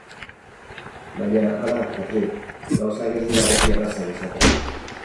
Baina hara, Patri, gauzak ez dira beti errazak izaten.